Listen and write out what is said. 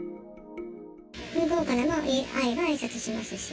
向こうからも会えばあいさつしますし。